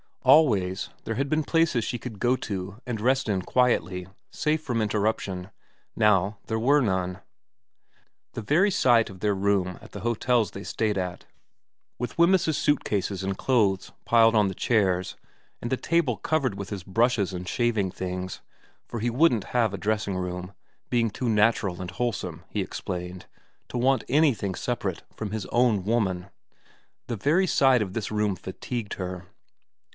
Always there had been places she could go to and rest in quietly, safe from interrup tion ; now there were none. The very sight of their room at the hotels they stayed at, with Wemyss's suit cases and clothes piled on the chairs, and the table covered with his brushes and shaving things, for he wouldn't have a dressing room, being too natural and wholesome, he explained, to want anything separate from his own woman the very sight of this room fatigued her.